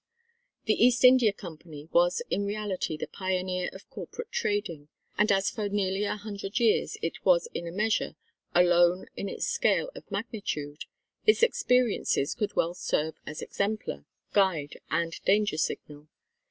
The East India Company was in reality the pioneer of corporate trading, and as for nearly a hundred years it was in a measure alone in its scale of magnitude, its experiences could well serve as exemplar, guide, and danger signal.